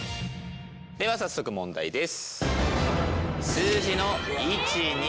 では早速問題です！